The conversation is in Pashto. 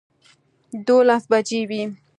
دولس بجې وې